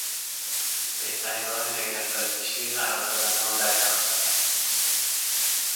بهترین راه نگهداری شیر قرار دادن آن در یخچال است.